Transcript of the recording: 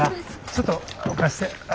ちょっと置かして。